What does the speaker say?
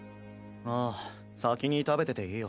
ああ先に食べてていいよ。